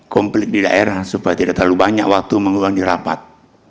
konflik di daerah supaya tidak terlalu banyak waktu mengulangi rapat